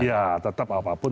ya tetap apapun